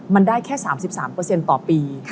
มันได้แค่๓๓ต่อปี